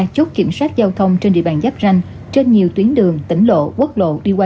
chốt kiểm soát giao thông trên địa bàn giáp ranh trên nhiều tuyến đường tỉnh lộ quốc lộ đi qua